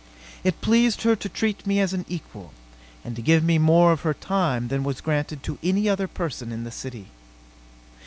It pleased her to treat me as an equal, and to give me more of her time than was granted to any other person in the city.